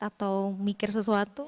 atau mikir sesuatu